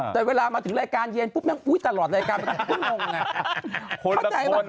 แต่เวลามาถึงรายการเย็นปุ๊บมันอุ่ยตลอดรายการไปตัวตรง